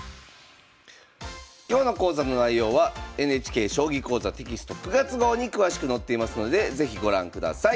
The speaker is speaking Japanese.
今日の講座の内容はＮＨＫ「将棋講座」テキスト９月号に詳しく載っていますので是非ご覧ください。